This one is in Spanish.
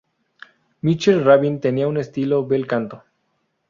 Michael Rabin tenía un estilo bel canto.